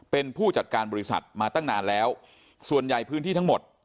เป็นผู้จัดการบริษัทมาตั้งนานแล้วส่วนใหญ่พื้นที่ทั้งหมด